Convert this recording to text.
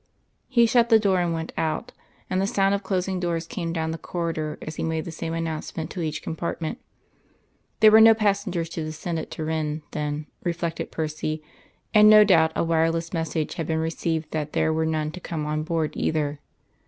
He shut the door and went out, and the sound of closing doors came down the corridor as he made the same announcement to each compartment. There were no passengers to descend at Turin, then, reflected Percy; and no doubt a wireless message had been received that there were none to come on board either.